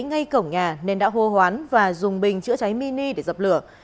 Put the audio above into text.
ngay cổng nhà nên đã hô hoán và dùng bình chữa cháy mini để dập lửa